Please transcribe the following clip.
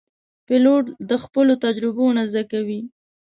پیلوټ د خپلو تجربو نه زده کوي.